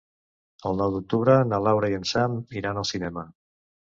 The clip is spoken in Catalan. El nou d'octubre na Laura i en Sam iran al cinema.